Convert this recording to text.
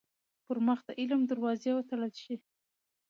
پـر مـخ د عـلم دروازې وتـړل شي.